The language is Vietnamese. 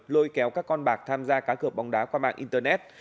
lôi kéo các con bạc tham gia cá cược bóng đá qua mạng internet